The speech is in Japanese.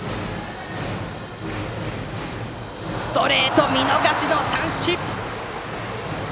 ストレート、見逃し三振！